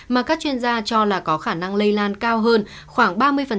mà các chuyên gia cho là có khả năng lây lan cao hơn khoảng ba mươi